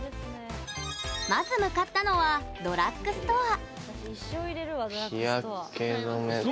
まず向かったのはドラッグストア。